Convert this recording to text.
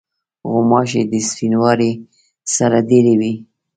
غوماشې د سپینواري سره ډېری وي.